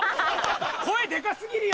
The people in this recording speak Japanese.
声でか過ぎるよ？